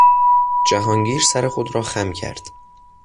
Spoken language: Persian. جهانگیر سر خود را خم کرد.